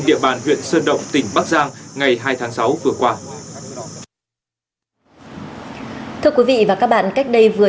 địa bàn huyện sơn động tỉnh bắc giang ngày hai tháng sáu vừa qua thưa quý vị và các bạn cách đây vừa